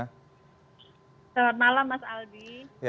selamat malam mas aldi